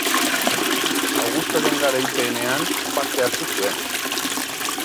Augustoren garaipenean parte hartu zuen.